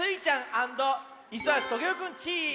アンドイスはしトゲオくんチーム！